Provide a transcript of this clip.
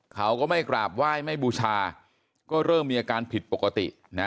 เขาก็ไม่กราบไหว้ไม่บูชาก็เริ่มมีอาการผิดปกตินะ